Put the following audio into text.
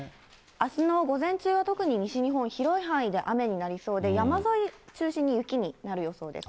あすの午前中は特に西日本、広い範囲で雨になりそうで、山沿い中心に雪になる予想です。